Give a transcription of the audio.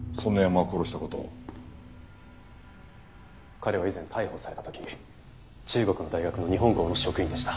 彼は以前逮捕された時中国の大学の日本校の職員でした。